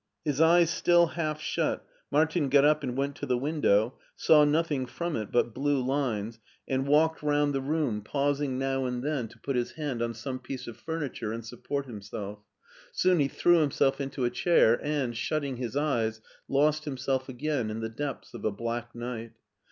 His eyes still half shut, Martin got up and went to the window, saw nothing from it but blue lines, and walked round 258 MARTIN SCHtJLER the room, pausing now and then to put his hand oh some piece of furniture and support himself. Soon he threw himself into a chair and, shutting his eyes, lost himself again in the depths of a black night.